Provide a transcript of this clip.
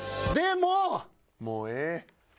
もうええ。